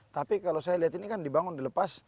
tapi kalau saya lihat ini kan dibangun dilepas